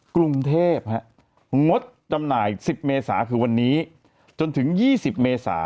กรุงเทพงดจำหน่าย๑๐เมษาคือวันนี้จนถึง๒๐เมษา